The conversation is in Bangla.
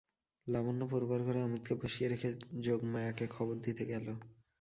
লাবণ্য পড়বার ঘরে অমিতকে বসিয়ে রেখে যোগমায়াকে খবর দিতে গেল।